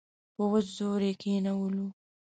په وچ زور یې کښېنولو.